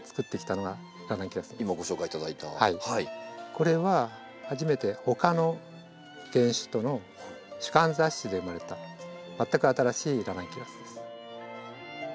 これは初めてほかの原種との種間雑種で生まれた全く新しいラナンキュラスです。